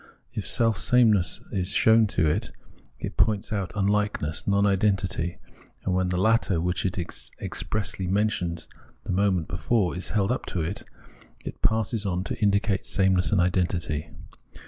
If sameness is shown to it, it points out unlikeness, non identity ; and when the latter, which it has expressly mentioned the moment before, is held up to it, it passes on to indicate sameness and identity.